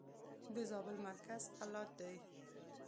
د زابل مرکز قلات دئ.